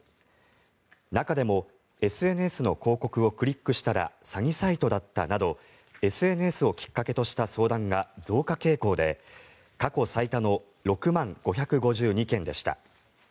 中でもＳＮＳの広告をクリックしたら詐欺サイトだったなどＳＮＳをきっかけとした相談が増加傾向で過去最多の６万５５２件でした。